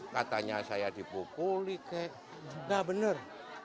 katanya saya dipukul tidak benar